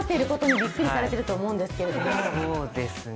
はいそうですね